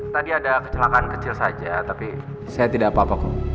tadi ada kecelakaan kecil saja tapi saya tidak apa apa kok